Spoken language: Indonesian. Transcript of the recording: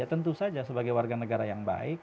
ya tentu saja sebagai warga negara yang baik